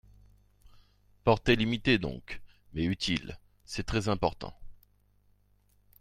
Portée limitée donc, mais utile, C’est très important